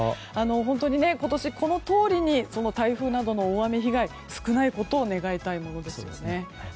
今年このとおりに台風などの大雨被害が少ないことを祈りたいですね。